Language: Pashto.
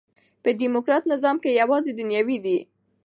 په ډيموکراټ نظام کښي یوازي دنیوي ده.